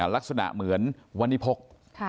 ลักษณะเหมือนวันนี้พก